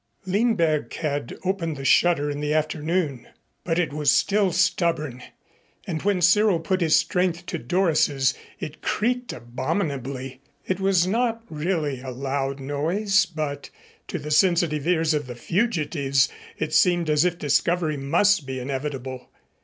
Lindberg had opened the shutter in the afternoon, but it was still stubborn, and when Cyril put his strength to Doris's, it creaked abominably. It was not really a loud noise, but to the sensitive ears of the fugitives it seemed as if discovery must be inevitable.